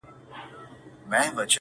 ساقي وتاته مو په ټول وجود سلام دی پيره.